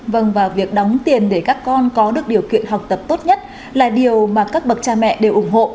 vâng và việc đóng tiền để các con có được điều kiện học tập tốt nhất là điều mà các bậc cha mẹ đều ủng hộ